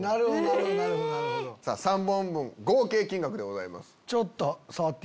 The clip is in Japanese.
３本分合計金額でございます。